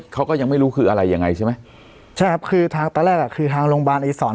เขาก็ยังไม่รู้คืออะไรยังไงใช่ไหมใช่ครับคือทางตอนแรกอ่ะคือทางโรงพยาบาลไอศร